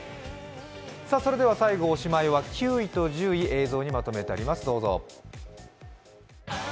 最後、おしまいは９位と１０位、映像にまとめてあります。